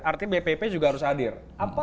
artinya bpp juga harus hadir